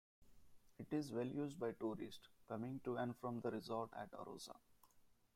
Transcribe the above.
It is well used by tourists coming to and from the resort at Arosa.